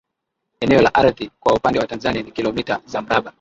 Eneo la ardhi kwa upande wa Tanzania ni kilometa za mraba